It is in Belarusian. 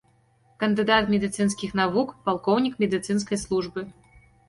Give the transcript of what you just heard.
Кандыдат медыцынскіх навук, палкоўнік медыцынскай службы.